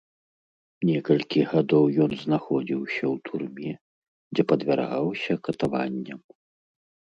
Некалькі гадоў ён знаходзіўся ў турме, дзе падвяргаўся катаванням.